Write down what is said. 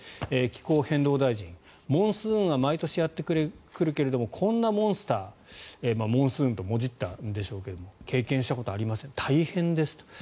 気候変動大臣、モンスーンは毎年やってくるけれどもこんなモンスターモンスーンともじったんでしょうけど経験したことがありません大変ですと。